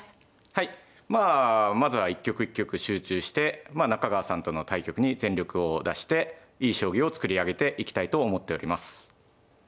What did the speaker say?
はいまあまずは一局一局集中してまあ中川さんとの対局に全力を出していい将棋を作り上げていきたいと思っております。